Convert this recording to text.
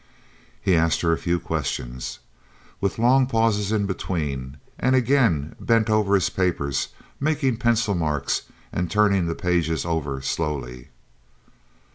He asked her a few questions, with long pauses in between, and again bent over his papers, making pencil marks and turning the pages over slowly.